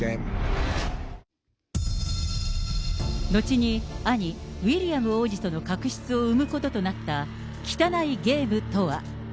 後に兄、ウィリアム王子との確執を生むこととなった、汚いゲームとは。